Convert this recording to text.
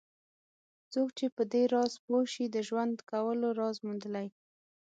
څوک چې په دې راز پوه شي د ژوند کولو راز موندلی.